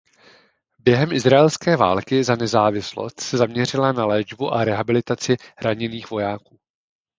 Během izraelské války za nezávislost se zaměřila na léčbu a rehabilitaci raněných vojáků.